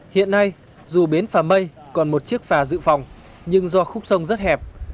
hiện nay dù bến phà mây còn một chiếc phà dự phòng nhưng do khúc sông rất hẹp